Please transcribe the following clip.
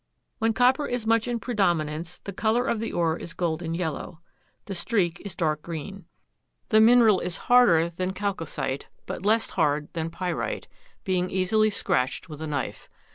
When copper is much in predominance the color of the ore is golden yellow. The streak is dark green. The mineral is harder than chalcocite, but less hard than pyrite, being easily scratched with a knife.